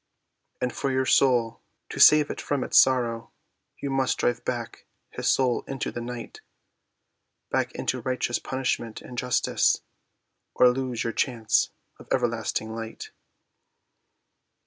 "And for your soul—to save it from its sorrow, You must drive back his soul into the night, Back into righteous punishment and justice, Or lose your chance of everlasting light."